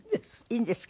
いいんですか？